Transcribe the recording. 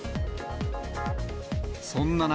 そんな中、